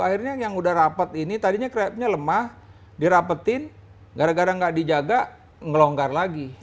akhirnya yang udah rapat ini tadinya crabnya lemah dirapetin gara gara nggak dijaga ngelonggar lagi